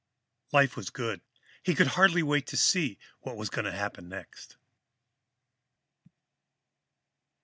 Life was good. He could hardly wait to see what was going to happen next.